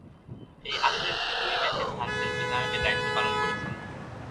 এই আসরে তিনি দুই ম্যাচে ফ্রান্সের অধিনায়কের দায়িত্ব পালন করেছেন।